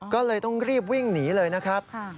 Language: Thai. ก็เลยต้องรีบวิ่งหนีเลยนะครับ